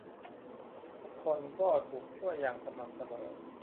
ทุกคนก็ถูกช่วยอย่างสม่ำเสมอ